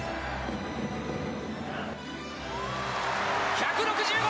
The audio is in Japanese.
１６５！